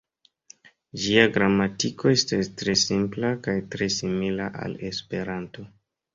Ĝia gramatiko estas tre simpla kaj tre simila al Esperanto.